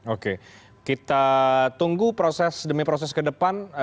oke kita tunggu proses demi proses ke depan